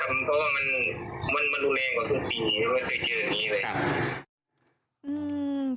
เพราะว่ามันลุเมงกว่าทุกปีไม่เคยเจออย่างนี้เลย